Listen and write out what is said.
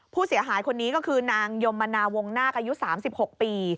ผู้เสียหายคนนี้ก็คือนางยมมนาวงนาคอายุ๓๖ปี